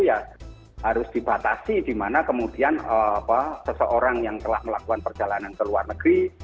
ya harus dibatasi di mana kemudian seseorang yang telah melakukan perjalanan ke luar negeri